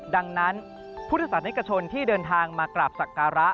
ดังนั้นพุทธศาสนิกชนที่เดินทางมากราบสักการะ